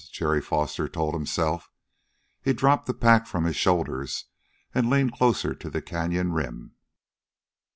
Jerry Foster told himself. He dropped the pack from his shoulders and leaned closer to the canyon rim.